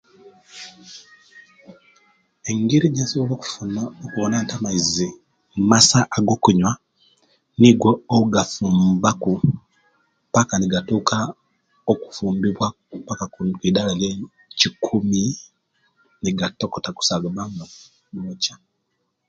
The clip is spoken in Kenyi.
Engeri ejenbsobola okufuna okubona nti amaizi masa agokunyuwa nikwo ogafumbaku paka nigatuka okufumbiwa paka kwidala Liye chikumi nigatokita kusa negaba nga gokya